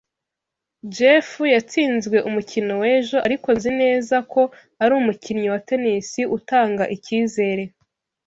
Jeff yatsinzwe umukino w'ejo, ariko nzi neza ko ari umukinnyi wa tennis utanga ikizere.